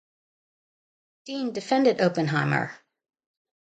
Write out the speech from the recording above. Dean defended Oppenheimer.